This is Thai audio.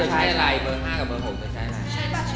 แล้วเธอใช้อะไรเบอร์๕กับเบอร์๖เธอใช้อะไร